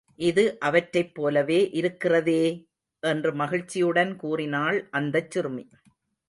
இது அவற்றைப் போலவே இருக்கிறதே! என்று மகிழ்ச்சியுடன் கூறினாள் அந்தச் சிறுமி.